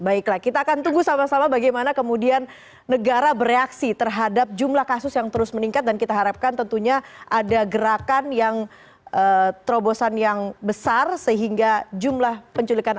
baiklah kita akan tunggu sama sama bagaimana kemudian negara bereaksi terhadap jumlah kasus yang terus meningkat dan kita harapkan tentunya ada gerakan yang terobosan yang besar sehingga jumlah penculikan